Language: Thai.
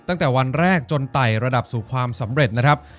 ตั้งแต่วันแรกจนไต่ระดับสู่ความสำเร็จนะครับ